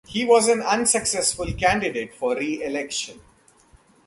He was an unsuccessful candidate for reelection.